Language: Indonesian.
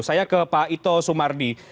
saya ke pak ito sumardi